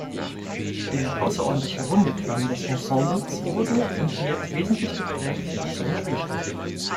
Der außerordentlich runde Klang des Ensembles wurde und wird wesentlich geprägt durch seine Spielstätte.